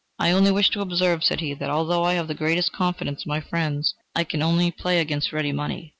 "I only wish to observe," said he, "that although I have the greatest confidence in my friends, I can only play against ready money.